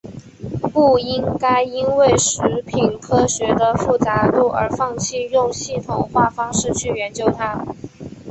不应该因为食品科学的复杂度而放弃用系统化方式去研究它。